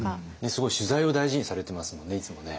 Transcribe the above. すごい取材を大事にされてますもんねいつもね。